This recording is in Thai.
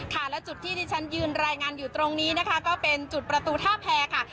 และจุดที่ที่ฉันยืนรายงานอยู่ตรงนี้นะคะก็เป็นจุดประตูท่าแพรค่ะ